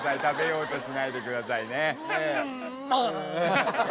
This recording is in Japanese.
食べようとしないでくださいね。